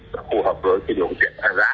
phù hợp với cái điều kiện ra